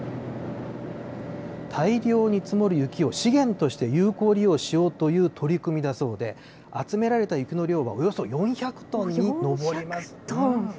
大量に積もる雪を、資源として有効利用しようという取り組みだそうで、集められた雪の量は、およそ４００トンに上ります。